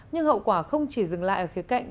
nhưng hậu quả không chỉ dừng lại ở khía cạnh